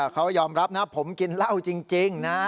เขายอมรับนะผมกินเหล้าจริงนะ